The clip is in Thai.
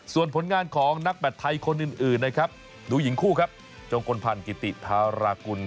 ส่วนผลงานของนักแบตไทยคนอื่นนะครับดูหญิงคู่ครับจงกลพันธ์กิติธารากุล